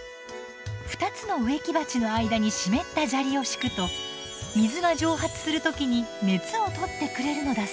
２つの植木鉢の間に湿った砂利を敷くと水が蒸発する時に熱をとってくれるのだそう。